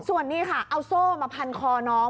ส่วนนี้ค่ะเอาโซ่มาพันคอน้อง